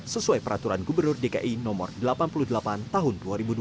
sesuai peraturan gubernur dki no delapan puluh delapan tahun dua ribu dua puluh